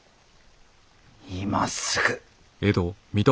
今すぐ。